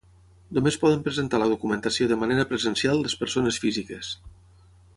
Només poden presentar la documentació de manera presencial les persones físiques.